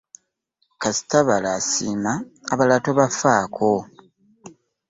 Kasita balo asiima abalala tobafaako.